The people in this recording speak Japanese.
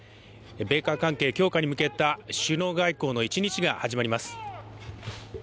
米韓関係強化に向けた首脳外交の一日が始まりました。